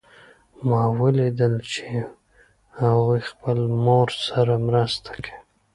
ما ولیدل چې هغوی خپل مور سره مرسته کوي